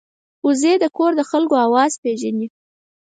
وزې د کور د خلکو آواز پېژني